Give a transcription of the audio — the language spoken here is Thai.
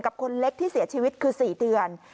คนเล็กที่เสียชีวิตคือ๔เดือน